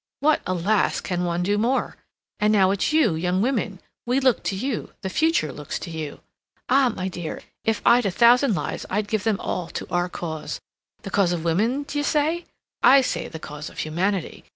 What, alas! can one do more? And now it's you young women—we look to you—the future looks to you. Ah, my dear, if I'd a thousand lives, I'd give them all to our cause. The cause of women, d'you say? I say the cause of humanity.